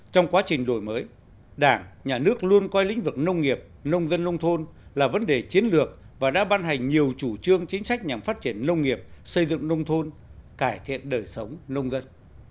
trong quá trình đổi mới đảng nhà nước luôn coi lĩnh vực nông nghiệp nông dân nông thôn là vấn đề chiến lược và đã ban hành nhiều chủ trương chính sách nhằm phát triển nông nghiệp xây dựng nông thôn cải thiện đời sống nông dân